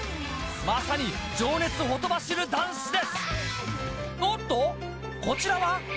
まさに情熱ほとばしるダンスです！